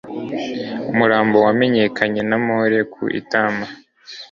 umurambo wamenyekanye na mole ku itama